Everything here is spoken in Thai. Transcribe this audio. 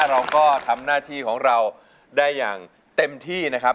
เราก็ทำหน้าที่ของเราได้อย่างเต็มที่นะครับ